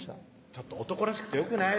ちょっと男らしくてよくない？